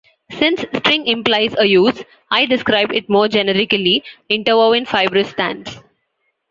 Since "string" implies a use, I describe it more generically: interwoven fibrous strands.